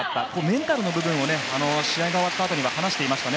メンタルの部分を試合が終わったあとに話していました。